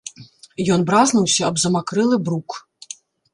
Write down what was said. Ён бразнуўся аб замакрэлы брук.